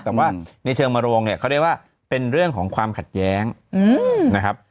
แต่ว่าในเชิงมรวงเนี่ยเขาเรียกว่าเป็นเรื่องของความขัดแย้งนะครับ